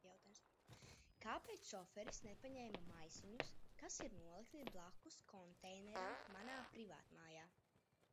Kāpēc šoferis nepaņēma maisiņus, kas ir nolikti blakus konteineram manā privātmājā?